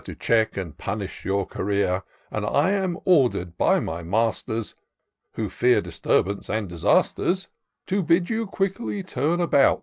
To check and pimish your career ; And I am order'd by my masters. Who fear disturbance and disasters, To bid you quickly turn about.